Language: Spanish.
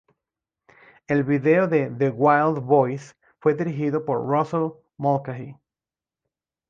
El video de ""The Wild Boys"" fue dirigido por Russell Mulcahy.